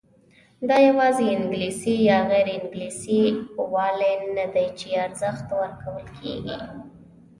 دا یوازې انګلیسي یا غیر انګلیسي والی نه دی چې ارزښت ورکول کېږي.